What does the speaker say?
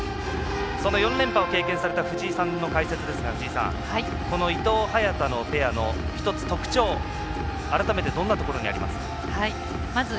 その４連覇を経験された藤井さんの解説ですが、藤井さんこの伊藤、早田ペアの特徴改めてどんなところにありますか？